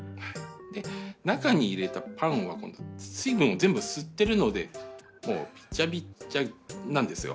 で中に入れたパンは今度水分を全部吸ってるのでもうびちゃびちゃなんですよ。